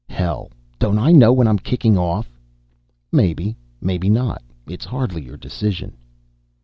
"Hell, don't I know when I'm kicking off?" "Maybe, maybe not. It's hardly your decision."